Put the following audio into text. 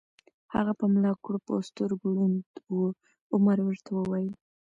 هغه په ملا کړوپ او سترګو ړوند و، عمر ورته وویل: